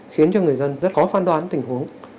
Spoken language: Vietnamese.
khiến cho người dân rất khó phán đoán tình huống